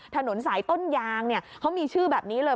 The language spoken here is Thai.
ถนนสายต้นยางเนี่ยเขามีชื่อแบบนี้เลย